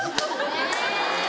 え！